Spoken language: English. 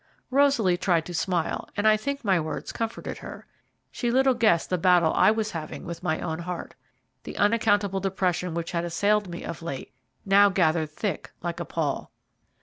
Rosaly tried to smile, and I think my words comforted her. She little guessed the battle I was having with my own heart. The unaccountable depression which had assailed me of late now gathered thick like a pall.